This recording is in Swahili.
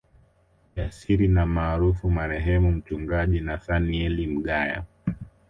Jasiri na maarufu Marehemu Mchungaji Nathanaeli Mgaya